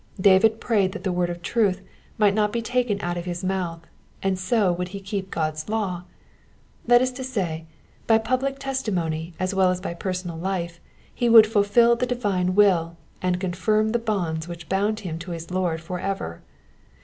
David prayed that the word of truth might not be taken out of his mouth, and so would he keep God*s law : that is to say, by public testimony as well as by personal life, he would fulfil the divine will, and confirm the bonds which bound him to his Lord for ever.